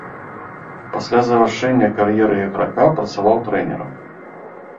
Пасля завяршэння кар'еры іграка працаваў трэнерам.